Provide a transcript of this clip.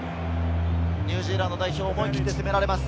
ニュージーランド代表、思い切って攻められます。